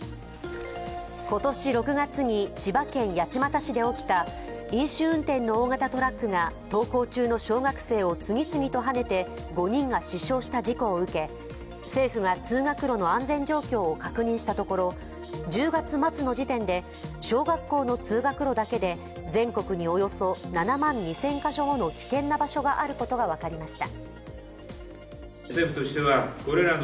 今年６月に千葉県八街市で起きた飲酒運転の大型トラックが登校中の小学生を次々とはねて５人が死傷した事故を受け政府が通学路の安全状況を確認したところ１０月末の時点で、小学校の通学路だけで全国におよそ７万２０００カ所もの危険な場所があることが分かりました。